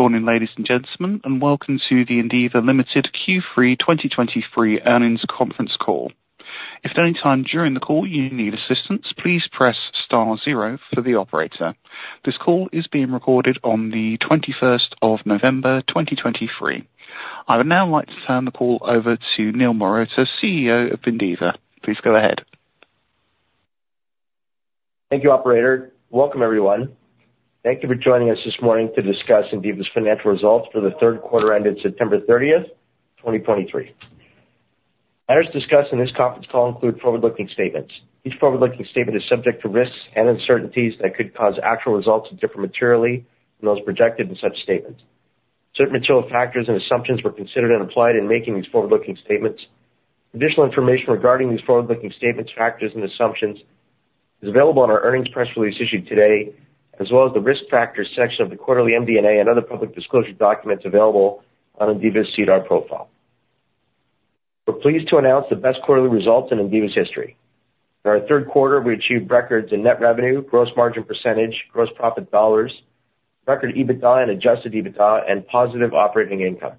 Good morning, ladies and gentlemen, and welcome to the Indiva Limited Q3 2023 earnings conference call. If at any time during the call you need assistance, please press star zero for the operator. This call is being recorded on the 21st of November, 2023. I would now like to turn the call over to Niel Marotta, CEO of Indiva. Please go ahead. Thank you, operator. Welcome, everyone. Thank you for joining us this morning to discuss Indiva's financial results for the third quarter ended September 30, 2023. Matters discussed in this conference call include forward-looking statements. Each forward-looking statement is subject to risks and uncertainties that could cause actual results to differ materially from those projected in such statements. Certain material factors and assumptions were considered and applied in making these forward-looking statements. Additional information regarding these forward-looking statements, factors, and assumptions is available on our earnings press release issued today, as well as the Risk Factors section of the quarterly MD&A and other public disclosure documents available on Indiva's SEDAR profile. We're pleased to announce the best quarterly results in Indiva's history. In our third quarter, we achieved records in net revenue, gross margin percentage, gross profit dollars, record EBITDA and adjusted EBITDA, and positive operating income.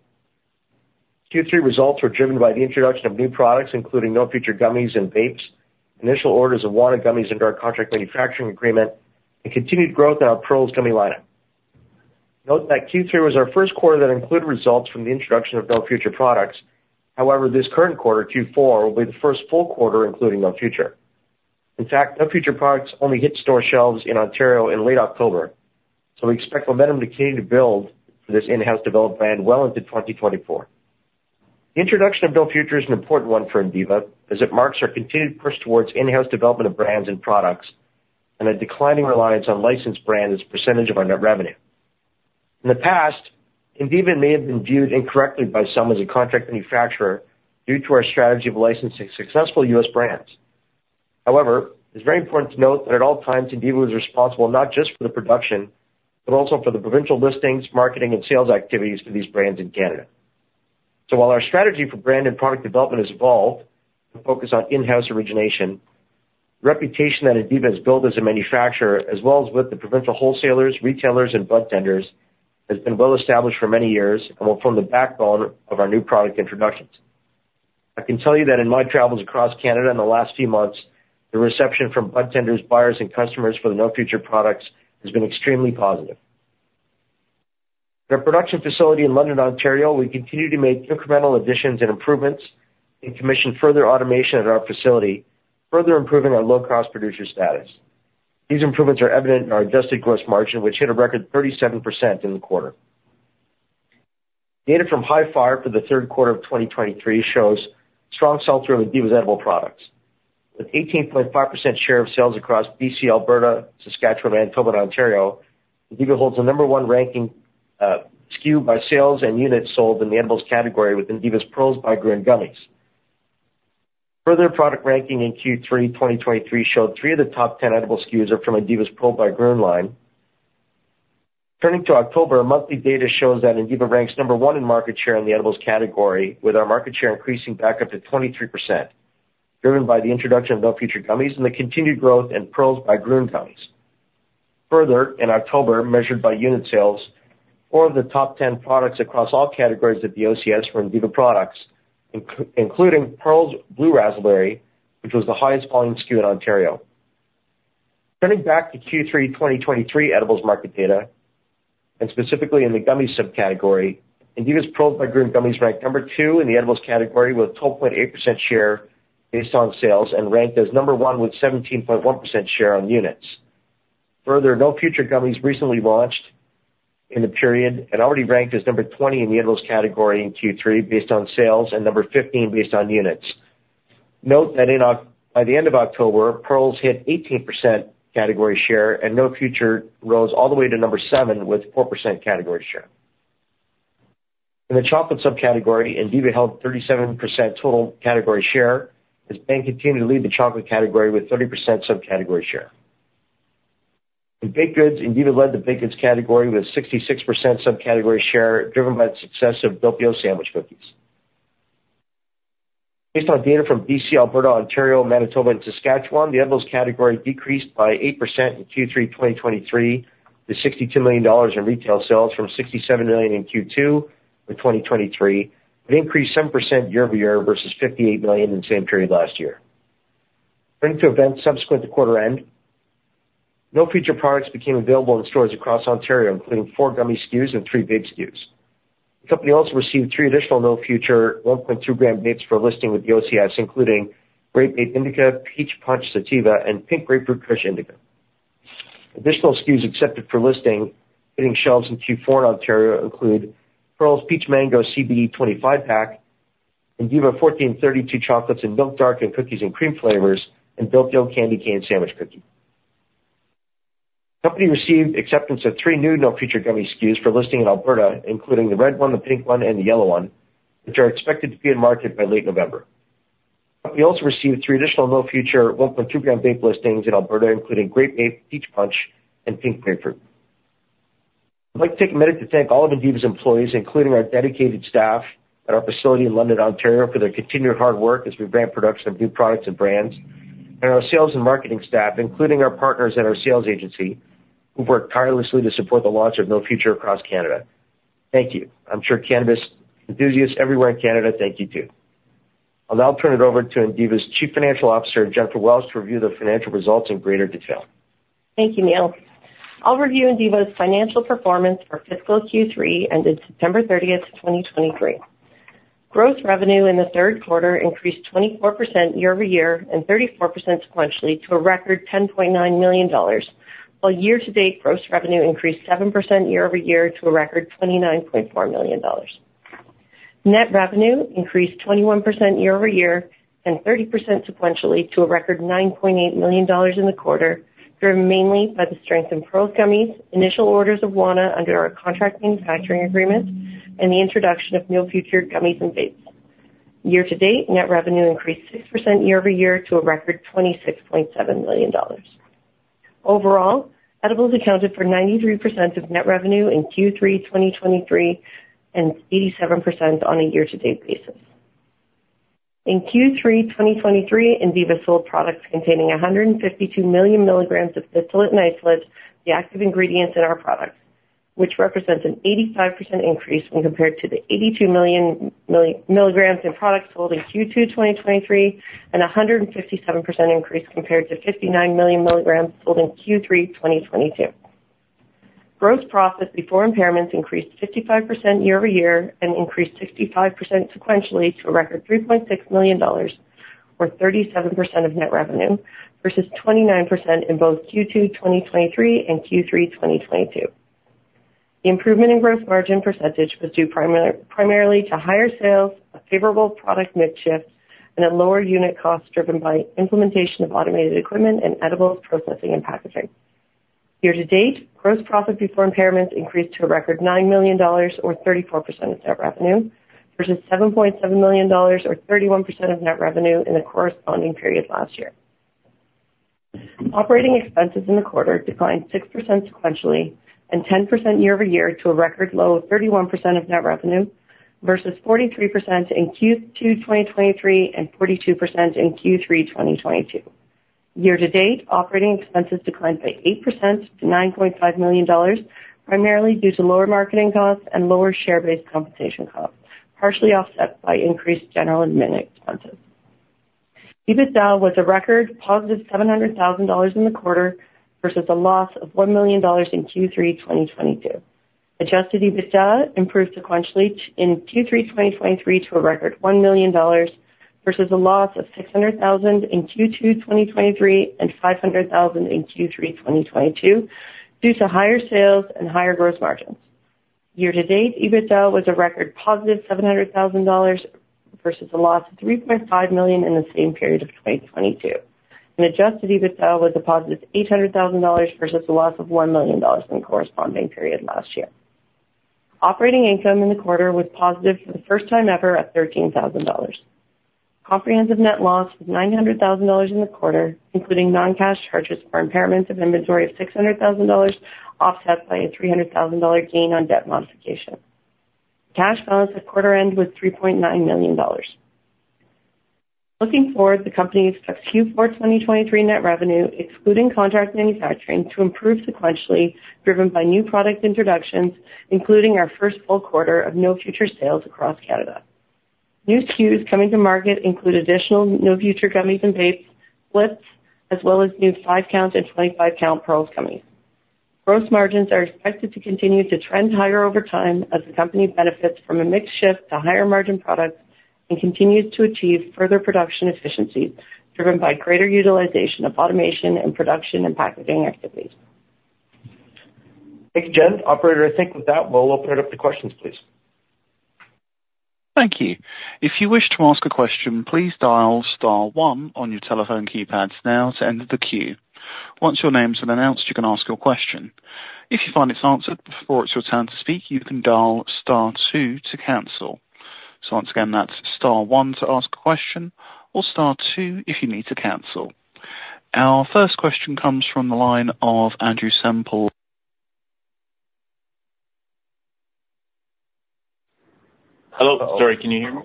Q3 results were driven by the introduction of new products, including No Future gummies and vapes, initial orders of Wana Gummies under our contract manufacturing agreement, and continued growth in our Pearls gummy lineup. Note that Q3 was our first quarter that included results from the introduction of No Future products. However, this current quarter, Q4, will be the first full quarter, including No Future. In fact, No Future products only hit store shelves in Ontario in late October, so we expect momentum to continue to build for this in-house developed brand well into 2024. The introduction of No Future is an important one for Indiva, as it marks our continued push towards in-house development of brands and products and a declining reliance on licensed brands as a percentage of our net revenue. In the past, Indiva may have been viewed incorrectly by some as a contract manufacturer due to our strategy of licensing successful U.S. brands. However, it's very important to note that at all times, Indiva was responsible not just for the production, but also for the provincial listings, marketing, and sales activities for these brands in Canada. So while our strategy for brand and product development has evolved to focus on in-house origination, the reputation that Indiva has built as a manufacturer, as well as with the provincial wholesalers, retailers, and budtenders, has been well established for many years and will form the backbone of our new product introductions. I can tell you that in my travels across Canada in the last few months, the reception from budtenders, buyers, and customers for the No Future products has been extremely positive. At our production facility in London, Ontario, we continue to make incremental additions and improvements and commission further automation at our facility, further improving our low-cost producer status. These improvements are evident in our adjusted gross margin, which hit a record 37% in the quarter. Data from Hifyre for the third quarter of 2023 shows strong sell-through of Indiva's edible products. With 18.5% share of sales across BC, Alberta, Saskatchewan, Manitoba, and Ontario, Indiva holds the number one ranking, SKU by sales and units sold in the edibles category with Indiva's Pearls by Grön gummies. Further product ranking in Q3 2023 showed three of the top 10 edible SKUs are from Indiva's Pearls by Grön line. Turning to October, monthly data shows that Indiva ranks number one in market share in the edibles category, with our market share increasing back up to 23%, driven by the introduction of No Future gummies and the continued growth in Pearls by Grön gummies. Further, in October, measured by unit sales, 4 of the top 10 products across all categories of the OCS were Indiva products, including Pearls Blue Razzleberry, which was the highest-selling SKU in Ontario. Turning back to Q3 2023 edibles market data, and specifically in the gummies subcategory, Indiva's Pearls by Grön gummies ranked number two in the edibles category with a 12.8% share based on sales and ranked as number one with 17.1% share on units. Further, No Future gummies recently launched in the period and already ranked as number 20 in the edibles category in Q3 based on sales and number 15 based on units. Note that in October by the end of October, Pearls hit 18% category share, and No Future rose all the way to number seven with 4% category share. In the chocolate subcategory, Indiva held 37% total category share as Bhang continued to lead the chocolate category with 30% subcategory share. In baked goods, Indiva led the baked goods category with 66% subcategory share, driven by the success of Build Your Own Sandwich cookies. Based on data from BC, Alberta, Ontario, Manitoba, and Saskatchewan, the edibles category decreased by 8% in Q3 2023 to CAD 62 million in retail sales from CAD 67 million in Q2 of 2023, but increased 7% year-over-year versus CAD 58 million in the same period last year. Turning to events subsequent to quarter end, No Future products became available in stores across Ontario, including four gummy SKUs and three vape SKUs. The company also received three additional No Future 1.2-gram vapes for listing with the OCS, including Grape Ape Indica, Peach Punch Sativa, and Pink Grapefruit Kush Indica. Additional SKUs accepted for listing, hitting shelves in Q4 in Ontario include Pearls Peach Mango CBD 25 Pack, Indiva 1432 chocolates in milk, dark, and cookies and cream flavors, and Build Your Own Candy Cane Sandwich Cookie. The company received acceptance of three new No Future gummy SKUs for listing in Alberta, including The Red One, The Pink One, and The Yellow One, which are expected to be in market by late November. We also received three additional No Future 1.2-gram vape listings in Alberta, including Grape Ape, Peach Punch, and Pink Grapefruit. I'd like to take a minute to thank all of Indiva's employees, including our dedicated staff at our facility in London, Ontario, for their continued hard work as we ramp production of new products and brands... and our sales and marketing staff, including our partners at our sales agency, who've worked tirelessly to support the launch of No Future across Canada. Thank you. I'm sure cannabis enthusiasts everywhere in Canada thank you, too. I'll now turn it over to Indiva's Chief Financial Officer, Jennifer Welsh, to review the financial results in greater detail. Thank you, Niel. I'll review Indiva's financial performance for fiscal Q3, ended September 30, 2023. Gross revenue in the third quarter increased 24% year-over-year and 34% sequentially to a record 10.9 million dollars, while year-to-date gross revenue increased 7% year-over-year to a record 29.4 million dollars. Net revenue increased 21% year-over-year and 30% sequentially to a record 9.8 million dollars in the quarter, driven mainly by the strength in Pearls gummies, initial orders of Wana under our contract manufacturing agreement, and the introduction of No Future gummies and vapes. Year-to-date, net revenue increased 6% year-over-year to a record 26.7 million dollars. Overall, edibles accounted for 93% of net revenue in Q3 2023, and 87% on a year-to-date basis. In Q3, 2023, Indiva sold products containing 152 million mg of distillate and isolate, the active ingredients in our products, which represents an 85% increase when compared to the 82 million mg in products sold in Q2, 2023, and a 157% increase compared to 59 million mg sold in Q3, 2022. Gross profit before impairments increased 55% year-over-year and increased 65% sequentially to a record 3.6 million dollars, or 37% of net revenue, versus 29% in both Q2, 2023, and Q3, 2022. The improvement in gross margin percentage was due primarily to higher sales, a favorable product mix shift, and a lower unit cost driven by implementation of automated equipment and edibles processing and packaging. Year to date, gross profit before impairments increased to a record 9 million dollars, or 34% of net revenue, versus 7.7 million dollars or 31% of net revenue in the corresponding period last year. Operating expenses in the quarter declined 6% sequentially and 10% year-over-year to a record low of 31% of net revenue, versus 43% in Q2 2023, and 42% in Q3 2022. Year to date, operating expenses declined by 8% to 9.5 million dollars, primarily due to lower marketing costs and lower share-based compensation costs, partially offset by increased general and admin expenses. EBITDA was a record positive 700,000 dollars in the quarter, versus a loss of 1 million dollars in Q3 2022. Adjusted EBITDA improved sequentially in Q3 2023 to a record 1 million dollars, versus a loss of 600 thousand in Q2 2023 and 500 thousand in Q3 2022, due to higher sales and higher gross margins. Year to date, EBITDA was a record positive 700 thousand dollars versus a loss of 3.5 million in the same period of 2022, and adjusted EBITDA was a positive 800 thousand dollars versus a loss of 1 million dollars in the corresponding period last year. Operating income in the quarter was positive for the first time ever at 13 thousand dollars. Comprehensive net loss was 900 thousand dollars in the quarter, including non-cash charges for impairments of inventory of 600 thousand dollars, offset by a 300 thousand dollar gain on debt modification. Cash balance at quarter end was 3.9 million dollars. Looking forward, the company expects Q4 2023 net revenue, excluding contract manufacturing, to improve sequentially, driven by new product introductions, including our first full quarter of No Future sales across Canada. New SKUs coming to market include additional No Future gummies and vapes, spliffs, as well as new five-count and 25-count Pearls gummies. Gross margins are expected to continue to trend higher over time as the company benefits from a mix shift to higher margin products and continues to achieve further production efficiencies, driven by greater utilization of automation and production and packaging activities. Thanks, Jen. Operator, I think with that, we'll open it up to questions, please. Thank you. If you wish to ask a question, please dial star one on your telephone keypads now to enter the queue. Once your name has been announced, you can ask your question. If you find it's answered before it's your turn to speak, you can dial star two to cancel. So once again, that's star one to ask a question or star two if you need to cancel. Our first question comes from the line of Andrew Semple. Hello. Sorry, can you hear me?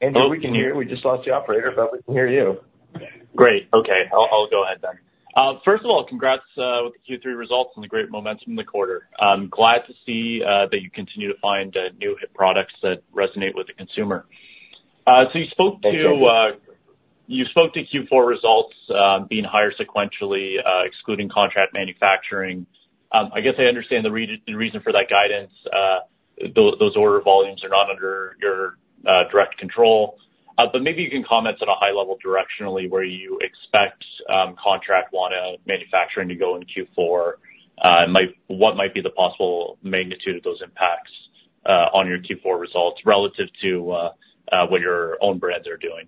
Andrew, we can hear. We just lost the operator, but we can hear you. Great. Okay, I'll, I'll go ahead then. First of all, congrats with the Q3 results and the great momentum in the quarter. I'm glad to see that you continue to find new hit products that resonate with the consumer. So you spoke to, you spoke to Q4 results being higher sequentially, excluding contract manufacturing. I guess I understand the reason for that guidance. Those order volumes are not under your direct control. But maybe you can comment at a high level directionally, where you expect contract Wana manufacturing to go in Q4, and might... What might be the possible magnitude of those impacts on your Q4 results relative to what your own brands are doing?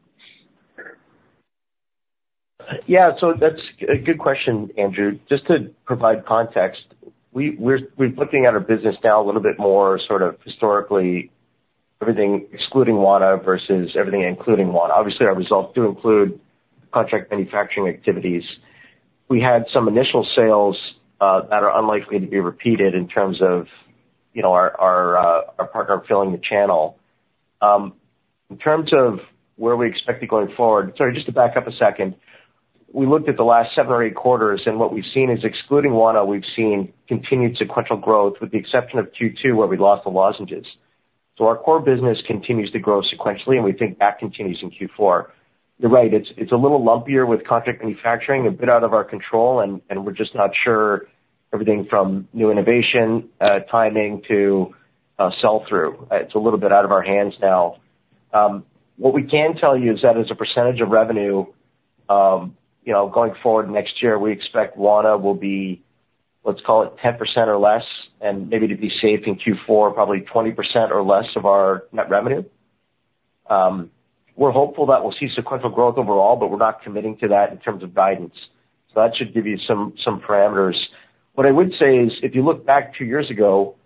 Yeah, so that's a good question, Andrew. Just to provide context, we're looking at our business now a little bit more sort of historically, everything excluding Wana versus everything including Wana. Obviously, our results do include contract manufacturing activities. We had some initial sales that are unlikely to be repeated in terms of, you know, our partner filling the channel. In terms of where we expect it going forward, sorry, just to back up a second. We looked at the last seven or eight quarters, and what we've seen is, excluding Wana, we've seen continued sequential growth, with the exception of Q2, where we lost the lozenges. So our core business continues to grow sequentially, and we think that continues in Q4. You're right, it's a little lumpier with contract manufacturing, a bit out of our control, and we're just not sure everything from new innovation, timing to sell through. It's a little bit out of our hands now. What we can tell you is that as a percentage of revenue, you know, going forward next year, we expect Wana will be, let's call it 10% or less, and maybe to be safe in Q4, probably 20% or less of our net revenue. We're hopeful that we'll see sequential growth overall, but we're not committing to that in terms of guidance. So that should give you some parameters. What I would say is, if you look back two years ago,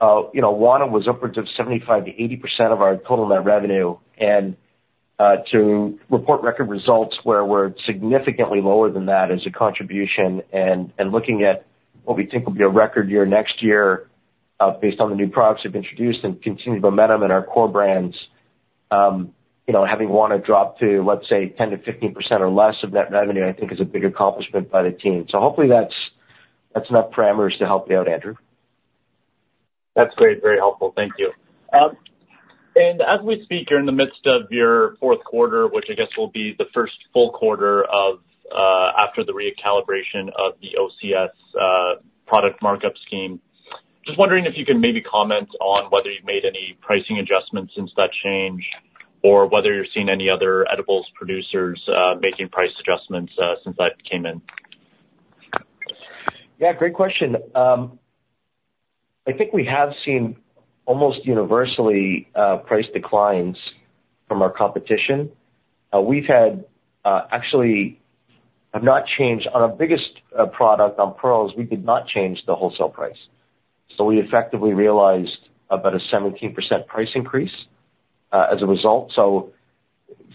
you know, Wana was upwards of 75%-80% of our total net revenue, and, to report record results where we're significantly lower than that as a contribution, and looking at what we think will be a record year next year, based on the new products we've introduced and continued momentum in our core brands. You know, having Wana drop to, let's say, 10%-15% or less of net revenue, I think is a big accomplishment by the team. So hopefully that's, that's enough parameters to help you out, Andrew. That's great. Very helpful. Thank you. And as we speak, you're in the midst of your fourth quarter, which I guess will be the first full quarter of after the recalibration of the OCS product markup scheme. Just wondering if you can maybe comment on whether you've made any pricing adjustments since that change, or whether you're seeing any other edibles producers making price adjustments since that came in? Yeah, great question. I think we have seen almost universally price declines from our competition. We've had actually have not changed... On our biggest product, on Pearls, we did not change the wholesale price. So we effectively realized about a 17% price increase as a result. So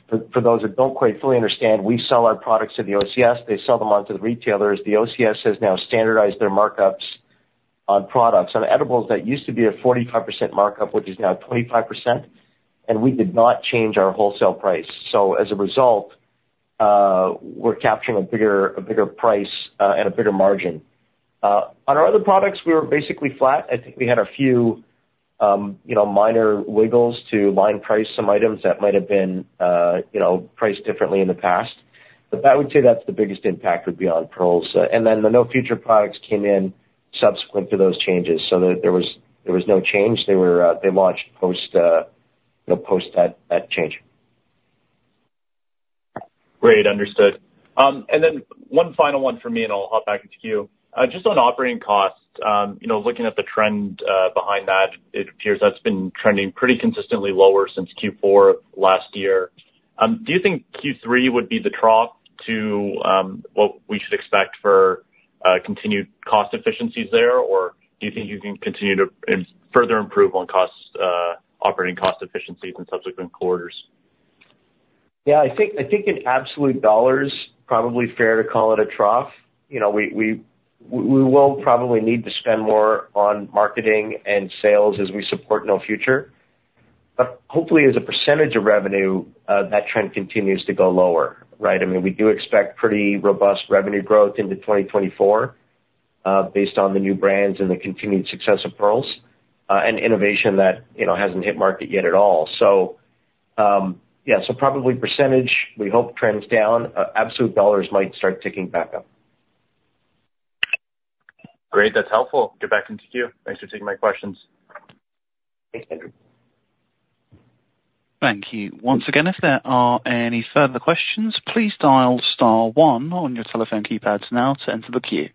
for those that don't quite fully understand, we sell our products to the OCS, they sell them on to the retailers. The OCS has now standardized their markups on products. On edibles, that used to be a 45% markup, which is now 25%, and we did not change our wholesale price. So as a result, we're capturing a bigger, a bigger price and a bigger margin. On our other products, we were basically flat. I think we had a few, you know, minor wiggles to line price some items that might have been, you know, priced differently in the past. But that, I would say that's the biggest impact would be on Pearls. And then the No Future products came in subsequent to those changes, so there, there was, there was no change. They were, they launched post, you know, post that, that change. Great, understood. And then one final one for me, and I'll hop back into queue. Just on operating costs, you know, looking at the trend behind that, it appears that's been trending pretty consistently lower since Q4 last year. Do you think Q3 would be the trough to what we should expect for continued cost efficiencies there? Or do you think you can continue to further improve on costs, operating cost efficiencies in subsequent quarters? Yeah, I think in absolute dollars, probably fair to call it a trough. You know, we will probably need to spend more on marketing and sales as we support No Future. But hopefully, as a percentage of revenue, that trend continues to go lower, right? I mean, we do expect pretty robust revenue growth into 2024, based on the new brands and the continued success of Pearls, and innovation that, you know, hasn't hit market yet at all. So, yeah, so probably percentage, we hope trends down. Absolute dollars might start ticking back up. Great, that's helpful. Get back into queue. Thanks for taking my questions. Thanks, Andrew. Thank you. Once again, if there are any further questions, please dial star one on your telephone keypads now to enter the queue.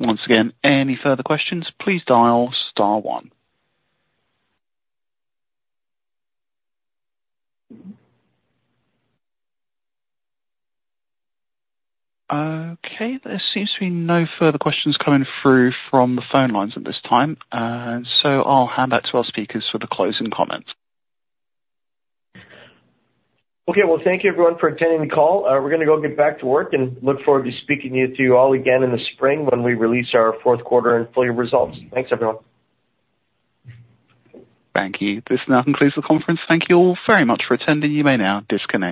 Once again, any further questions, please dial star one. Okay, there seems to be no further questions coming through from the phone lines at this time, so I'll hand back to our speakers for the closing comments. Okay. Well, thank you everyone for attending the call. We're gonna go get back to work and look forward to speaking you, to you all again in the spring when we release our fourth quarter and full year results. Thanks, everyone. Thank you. This now concludes the conference. Thank you all very much for attending. You may now disconnect.